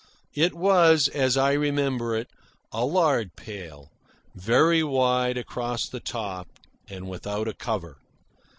It was, as I remember it, a lard pail, very wide across the top, and without a cover.